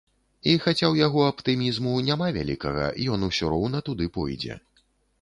І хаця ў яго аптымізму няма вялікага, ён ўсё роўна туды пойдзе.